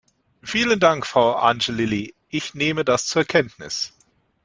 Vielen Dank, Frau Angelilli, ich nehme das zur Kenntnis.